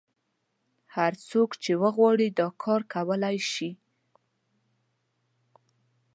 هر څوک چې وغواړي دا کار کولای شي.